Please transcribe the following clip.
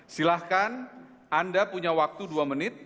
silahkan anda punya waktu dua menit